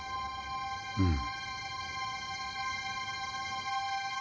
うん。